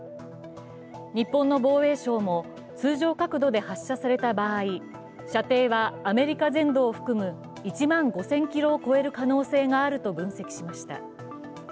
日本の防衛省も通常角度で発射された場合、射程はアメリカ全土を含む１万５０００ｋｍを超える可能性があると分析しました。